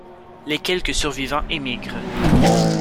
Les quelques survivants émigrent.